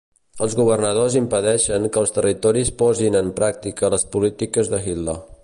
Els governadors impedeixen que els territoris posin en pràctica les polítiques de Hitler.